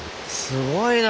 すごいな！